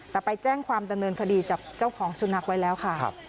แต่ไปแจ้งความดำเนินคดีกับเจ้าของสุนัขไว้แล้วค่ะ